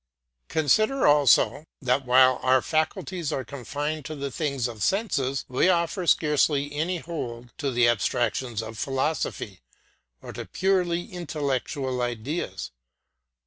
Consider also that while our faculties are confined to the things of sense, we offer scarcely any hold to the abstractions of philosophy or to purely intellectual ideas.